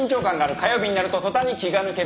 火曜日になると途端に気が抜ける。